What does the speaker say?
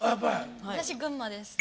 私群馬です。